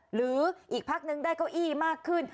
หรืออีกพักนึงได้เก้าอี้มากขึ้น